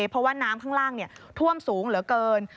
เพราะว่าน้ำข้างล่างท่วมสูงเหลือเกิน